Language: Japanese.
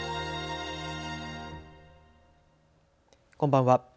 こんばんは。